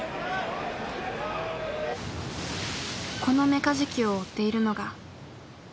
このメカジキを追っているのが。